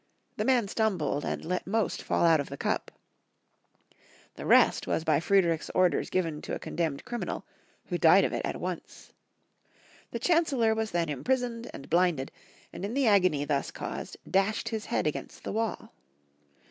The man stum bled, and let most fall out of the cup. The rest was by Friedrich's orders given to a condemned criminal, who died of it at once. The chancellor was then imprisoned and blinded, and in the agony thus caused, dashed his head against the wall.